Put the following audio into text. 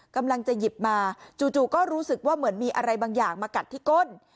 กำลังจะหยิบมาจู่ก็รู้สึกว่าเหมือนมีอะไรบางอย่างมากัดที่ก้น